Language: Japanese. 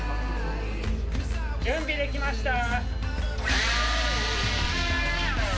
準備できました！